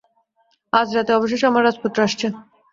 আজ রাতে অবশেষে আমার রাজপুত্র আসছে।